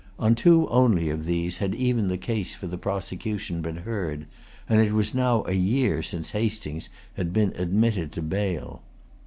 On two only of these had even the case for the prosecution been heard; and it was now a year since Hastings had been admitted to bail.